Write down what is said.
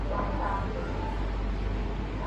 তার নিরাপত্তা নিশ্চিত করেছি।